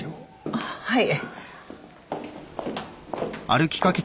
あっはい。